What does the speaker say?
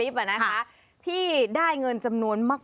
สนุนโดยอีซุสุข